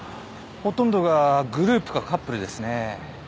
ほとんどがグループかカップルですね。